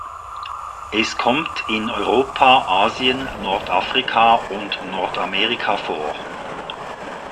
Es kommt in Europa, Asien, Nordafrika und Nordamerika vor.